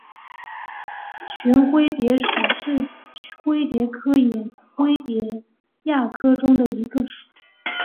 旋灰蝶属是灰蝶科眼灰蝶亚科中的一个属。